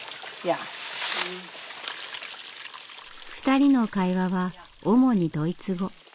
２人の会話は主にドイツ語。